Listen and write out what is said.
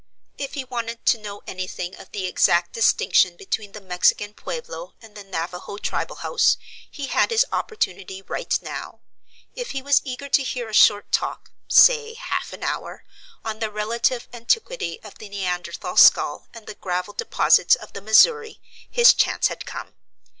If he wanted to know anything of the exact distinction between the Mexican Pueblo and the Navajo tribal house, he had his opportunity right now. If he was eager to hear a short talk say half an hour on the relative antiquity of the Neanderthal skull and the gravel deposits of the Missouri, his chance had come.